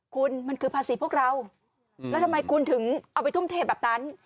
คุณมันคือภาษีพวกเราแล้วทำไมคุณถึงเอาไปทุ่มเทแบบนั้น